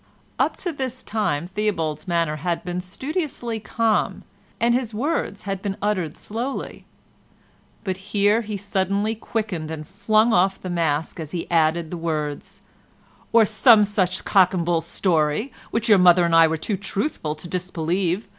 Up to this time Theobald's manner had been studiously calm, and his words had been uttered slowly, but here he suddenly quickened and flung off the mask as he added the words, "or some such cock and bull story, which your mother and I were too truthful to disbelieve.